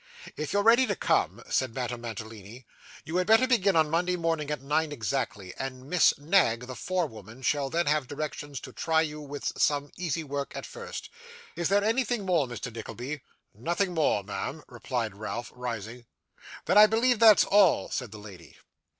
'If you're ready to come,' said Madame Mantalini, 'you had better begin on Monday morning at nine exactly, and Miss Knag the forewoman shall then have directions to try you with some easy work at first. Is there anything more, Mr. Nickleby?' 'Nothing more, ma'am,' replied Ralph, rising. 'Then I believe that's all,' said the lady.